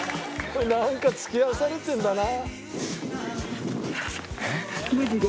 これなんか付き合わされてるんだな。